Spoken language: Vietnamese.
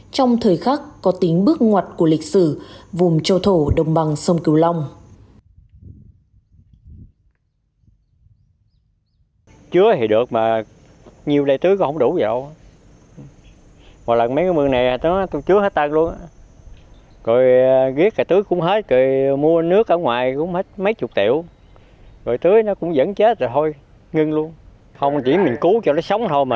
trong thời khắc có tính bước ngoặt của lịch sử vùng châu thổ đồng bằng sông cửu long